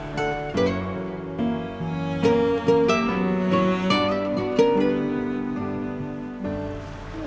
aku gak setia nungguin kamu disini